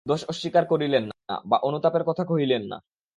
দোষ অস্বীকার করিলেন না, বা অনুতাপের কথা কহিলেন না।